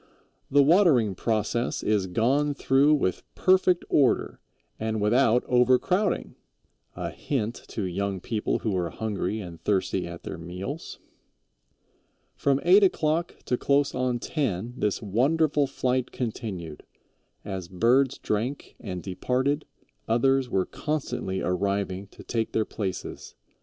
"The watering process is gone through with perfect order and without overcrowding" a hint to young people who are hungry and thirsty at their meals. "From eight o'clock to close on ten this wonderful flight continued; as birds drank and departed, others were constantly arriving to take their places.